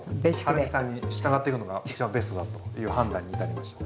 はるみさんに従っていくのが一番ベストだという判断に至りました。